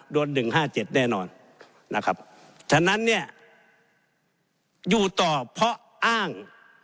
โดน๑๕๗แน่นอนนะครับฉะนั้นเนี่ยอยู่ต่อเพราะอ้าง